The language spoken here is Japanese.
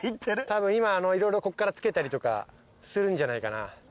たぶん今色々こっから付けたりとかするんじゃないかな。